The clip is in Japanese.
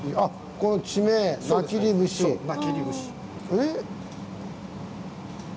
えっ。